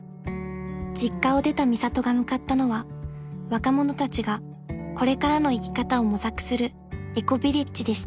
［実家を出たミサトが向かったのは若者たちがこれからの生き方を模索するエコビレッジでした］